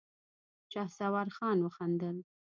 شهسوار خان وخندل.